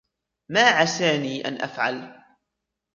ما عساني أن أفعل ؟